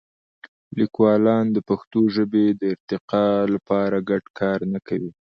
لیکوالان د پښتو ژبې د ارتقا لپاره ګډ کار نه کوي.